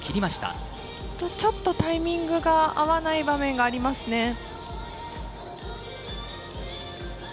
ちょっとタイミングが合わない場面がありますね。